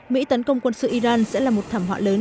mỹ tấn công quân sự iran sẽ là một thảm họa lớn